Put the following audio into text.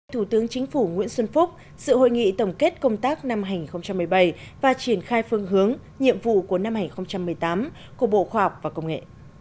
thủ tướng chính phủ nguyễn xuân phúc sự hội nghị tổng kết công tác năm hai nghìn một mươi bảy và triển khai phương hướng nhiệm vụ của năm hai nghìn một mươi tám của bộ khoa học và công nghệ